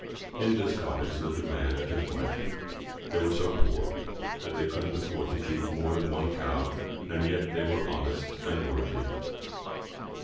In this cottage lived a man and his wife. They were so poor that they couldn't afford to keep more than one cow and yet they were honest and worthy.